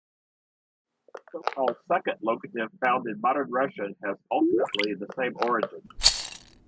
The so-called "second locative" found in modern Russian has ultimately the same origin.